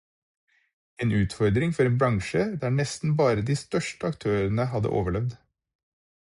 En utfordring for en bransje der nesten bare de største aktørene hadde overlevd.